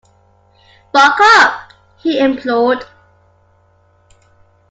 “Buck up!” he implored.